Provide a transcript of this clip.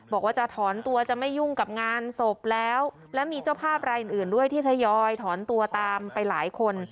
บอกว่าจะถอนตัวจะไม่ยุ่งกับงานศพแล้วและมีเจ้าภาพรายอื่นด้วยที่ทยอยถอนตัวตามไปหลายคน